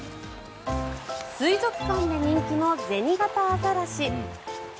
水族館で人気のゼニガタアザラシ。